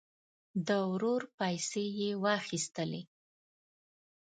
د ورور پیسې یې واخیستلې.